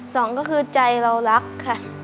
สองก็คือใจเรารักค่ะ